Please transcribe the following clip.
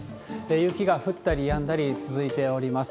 雪が降ったりやんだり続いております。